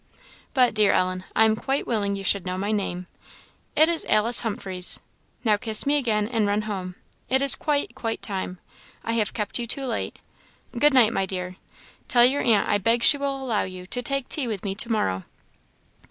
But, dear Ellen, I am quite willing you should know my name it is Alice Humphreys. Now, kiss me again, and run home; it is quite, quite time; I have kept you too late. Good night, my dear! Tell your aunt I beg she will allow you to take tea with me to morrow."